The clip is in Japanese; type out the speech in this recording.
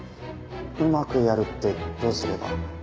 うまくやるってどうすれば？